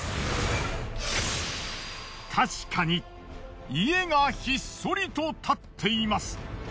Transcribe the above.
確かに家がひっそりと建っています。